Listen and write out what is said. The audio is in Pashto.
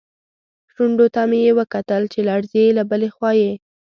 شونډو ته مې یې کتل چې لړزېدلې، له بلې خوا یې.